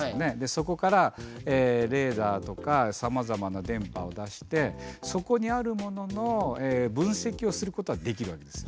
そこからレーダーとかさまざまな電波を出してそこにあるものの分析をすることはできるわけです。